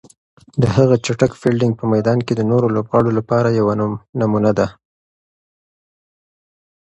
د هغه چټک فیلډینګ په میدان کې د نورو لوبغاړو لپاره یوه نمونه ده.